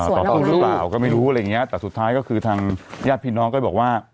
แหทนะถอยดูเปล่าก็ไม่รู้อะไรเงี้ยแต่สุดท้ายก็คือดังแยดพินองค์ก็บอกว่า